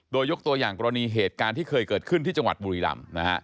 โดยยกตัวอย่างกรณีเหตุการณ์ที่เคยเกิดขึ้นที่จังหวัดบุรีรำนะฮะ